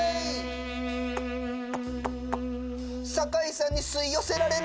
酒井さんにすいよせられる！